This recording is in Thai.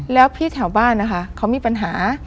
แล้วพี่แถวบ้านนะคะเขามีปัญหา